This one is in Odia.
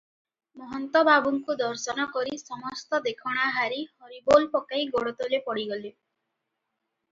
ମହନ୍ତ ବାବାଙ୍କୁ ଦର୍ଶନ କରି ସମସ୍ତ ଦେଖଣାହାରୀ ହରିବୋଲ ପକାଇ ଗୋଡତଳେ ପଡ଼ିଗଲେ ।